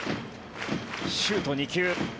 シュート２球。